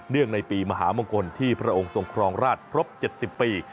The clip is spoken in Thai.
ในปีมหามงคลที่พระองค์ทรงครองราชครบ๗๐ปี